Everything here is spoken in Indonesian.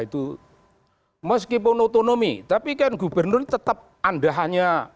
itu meskipun otonomi tapi kan gubernur tetap anda hanya